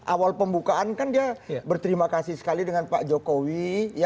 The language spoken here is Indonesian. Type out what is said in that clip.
awal pembukaan kan dia berterima kasih sekali dengan pak jokowi